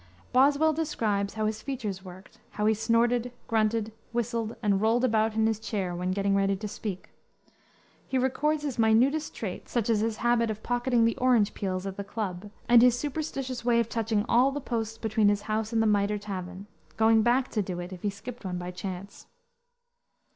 Boswell describes how his features worked, how he snorted, grunted, whistled, and rolled about in his chair when getting ready to speak. He records his minutest traits, such as his habit of pocketing the orange peels at the club, and his superstitious way of touching all the posts between his house and the Mitre Tavern, going back to do it, if he skipped one by chance.